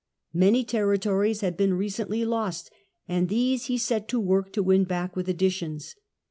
Many territories had been recently lost, and these he set to work to win back with additions.